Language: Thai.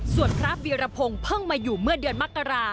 ส่วนพระวีรพงศ์เพิ่งมาอยู่เมื่อเดือนมกรา